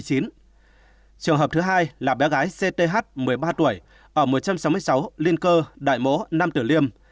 trường hợp thứ hai là bé gái c t h một mươi ba tuổi ở một trăm sáu mươi sáu liên cơ đại mỗ nam tử liêm